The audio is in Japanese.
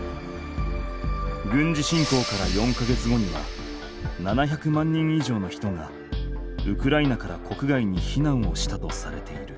軍事侵攻から４か月後には７００万人以上の人がウクライナから国外に避難をしたとされている。